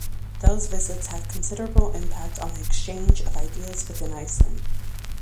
Those visits had considerable impact on the exchange of ideas within Iceland.